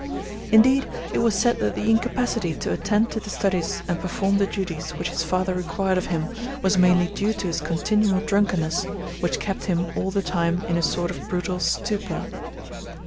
Indeed, it was said that the incapacity to attend to the studies and perform the duties which his father required of him was mainly due to his continual drunkenness, which kept him all the time in a sort of brutal stupor.